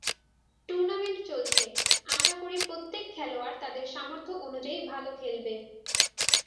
Tournament চলছে, আশা করি প্রত্যেক খেলোয়াড় তাদের সামর্থ্য অনুযায়ী ভালো খেলবে।